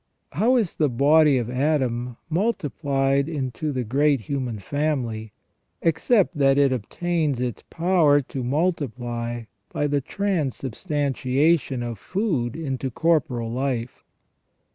How is the body of Adam multiplied into the great human family, except that it obtains its power to multiply by the transubstantia tion of food into corporal life?